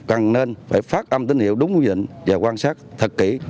cần nên phải phát âm tín hiệu đúng mũi dịnh và quan sát thật kỹ